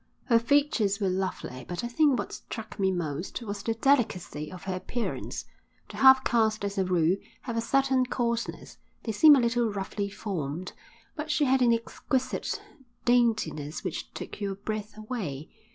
Her features were lovely; but I think what struck me most was the delicacy of her appearance; the half caste as a rule have a certain coarseness, they seem a little roughly formed, but she had an exquisite daintiness which took your breath away.